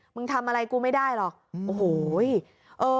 มึงทำอะไรกูไม่ได้หรอกโอ้โห